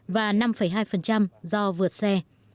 và năm hai do vượt xe